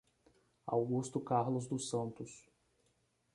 Augusto Carlos dos Santos